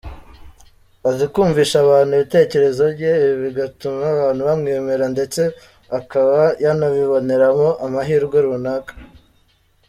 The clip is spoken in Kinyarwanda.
Azi kumvisha abantu ibitekerezo bye, ibi bigatuma abantu bamwemera ndetse akaba yanabiboneramo amahirwe runaka.